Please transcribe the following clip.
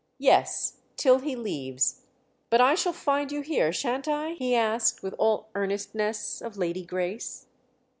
"Yes—till he leaves. But I shall find you here, shan't I?" he asked with all earnestness of Lady Grace.